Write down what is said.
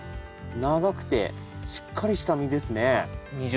長くてしっかりした実ですね。